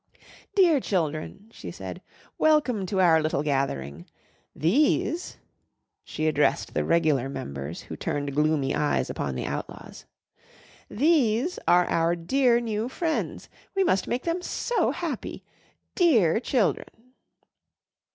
"Dear children," she said, "welcome to our little gathering. These," she addressed the regular members, who turned gloomy eyes upon the Outlaws, "these are our dear new friends. We must make them so happy. Dear children!"